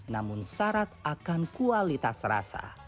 namun syarat akan kualitas rasa